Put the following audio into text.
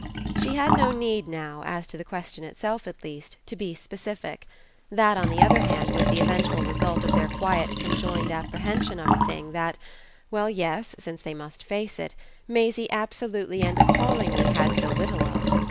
She had no need now, as to the question itself at least, to be specific; that on the other hand was the eventual result of their quiet conjoined apprehension of the thing that well, yes, since they must face it Maisie absolutely and appallingly had so little of.